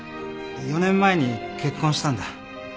４年前に結婚したんだ。